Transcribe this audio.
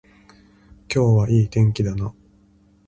今日はいい天気だな